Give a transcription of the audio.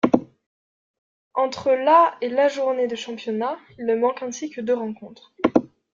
Entre la et la journées de championnat, il ne manque ainsi que deux rencontres.